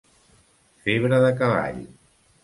Febre de cavall.